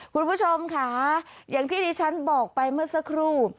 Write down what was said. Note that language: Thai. คุณผู้ชมค่ะอย่างที่ดิฉันบอกไปเมื่อสักครู่